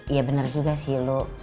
ya benar juga sih lo